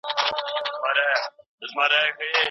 د ښځو په بریا کي د ټول وطن بریا او سرلوړي نغښتې ده